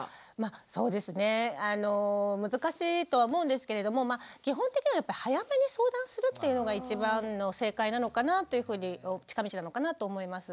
そうですね難しいとは思うんですけれども基本的には早めに相談するっていうのが一番の正解なのかなというふうに近道なのかなと思います。